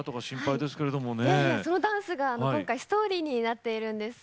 そのダンスが今回ストーリーになっているんです。